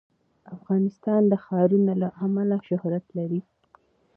افغانستان د ښارونه له امله شهرت لري.